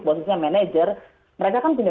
khususnya manajer mereka kan punya